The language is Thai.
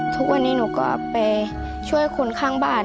ทุกวันนี้หนูก็ไปช่วยคนข้างบ้าน